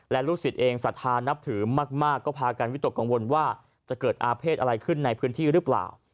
และลูกศิษย์เองศรัทธานับถือมากก็พากันวิตกกังวลว่าจะเกิดอาเภษอะไรขึ้นในพื้นที่หรือเปล่า